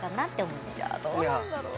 いやどうなんだろう？